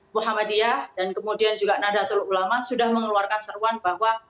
muhammadiyah dan kemudian juga nadatul ulama sudah mengeluarkan seruan bahwa